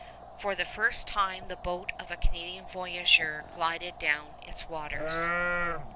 For the first time the boat of a Canadian voyageur glided down its waters.